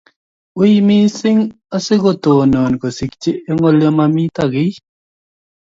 Wiy mising asigotonon kosigchi lole nimamiten giy